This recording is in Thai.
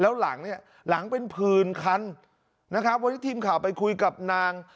แล้วหลังเนี่ยหลังเป็นผื่นคันนะครับวันนี้ทีมข่าวไปคุยกับนาง